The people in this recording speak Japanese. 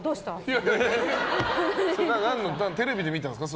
いやテレビで見たんですか？